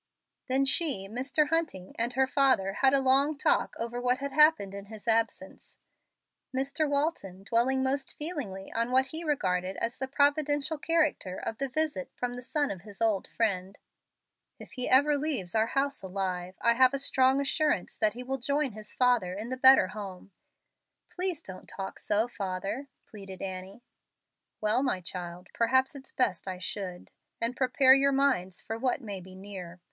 Then she, Mr. Hunting, and her father had a long talk over what had happened in his absence, Mr. Walton dwelling most feelingly on what he regarded as the providential character of the visit from the son of his old friend. "If he never leaves our house alive, I have a strong assurance that he will join his father in the better home. Indeed, I may soon be there with them." "Please don't talk so, father," pleaded Annie. "Well, my child, perhaps it's best I should, and prepare your minds for what may be near.